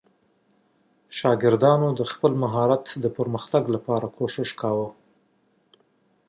شاګردانو د خپل مهارت د پرمختګ لپاره کوښښ کاوه.